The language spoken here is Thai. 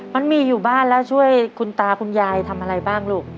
มันมีอยู่บ้านแล้วช่วยคุณตาคุณยายทำอะไรบ้างลูก